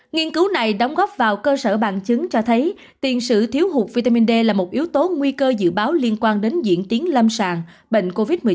nghiên cứu này đóng góp vào cơ sở bằng chứng cho thấy tiền sử thiếu hụt vitamin d là một yếu tố nguy cơ dự báo liên quan đến diễn tiến lâm sàng bệnh covid một mươi chín